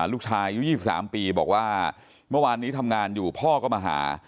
อายุ๒๓ปีบอกว่าเมื่อวานนี้ทำงานอยู่พ่อก็มาหา